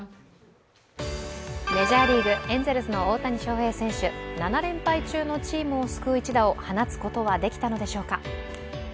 メジャーリーグエンゼルスの大谷翔平７連敗中のチームを救う一打を放つことはできたのでしょうか。